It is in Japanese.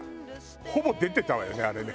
ほぼ出てたわよねあれね。